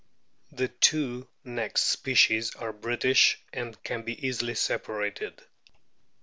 The two next species are British, and can be easily separated.